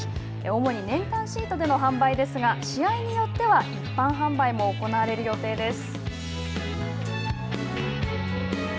主に年間シートでの販売ですが試合によっては一般販売も行われる予定です。